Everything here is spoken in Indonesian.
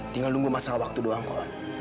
tinggal nunggu masalah waktu doang kok